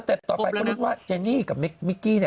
สเต็ปต่อไปก็คิดว่าเจนี่กับมิ๊กกี้